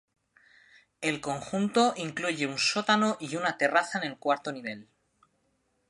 El conjunto incluye un sótano y una terraza en el cuarto nivel.